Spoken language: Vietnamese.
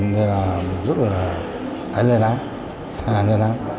nên là rất là hãy lên án hãy lên án